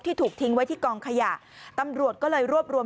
ถูกทิ้งไว้ที่กองขยะตำรวจก็เลยรวบรวม